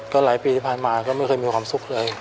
ก็หลายปีที่ผ่านมาก็ไม่เคยมีความสุขเลย